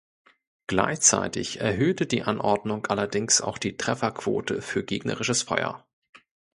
Gleichzeitig erhöhte die Anordnung allerdings auch die Trefferquote für gegnerisches Feuer.